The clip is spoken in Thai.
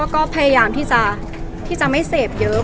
ก็พยายามที่จะไม่เสพเยอะ